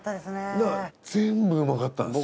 だから全部うまかったんですよ。